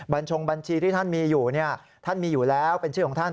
ชงบัญชีที่ท่านมีอยู่ท่านมีอยู่แล้วเป็นชื่อของท่าน